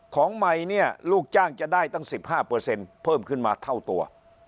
ของใหม่เนี่ยลูกจ้างจะได้ตั้ง๑๕เพิ่มขึ้นมาเท่าตัว